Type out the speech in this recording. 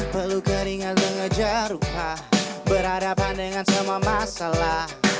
perlu keringat mengejar rupa beradaban dengan semua masalah